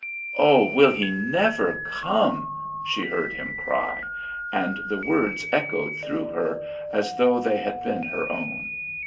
"Oh, will he never come!" she heard him cry, and the words echoed through her as though they had been her own.